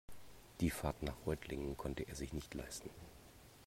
Die Fahrt nach Reutlingen konnte er sich nicht leisten